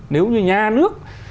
nếu như nhà nước